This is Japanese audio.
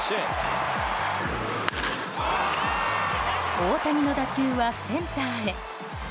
大谷の打球はセンターへ。